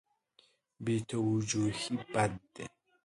بې توجهي بد دی.